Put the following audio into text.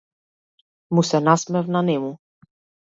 Му се насмевна нему.